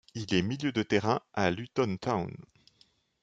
Il est milieu de terrain à Luton Town.